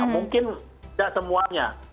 mungkin tidak semuanya